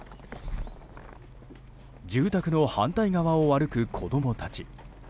住宅の反対側を歩く子供たち。